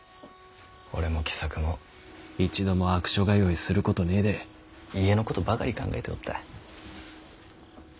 俺も喜作も一度も悪所通いすることねぇで家のことばかり考えておった。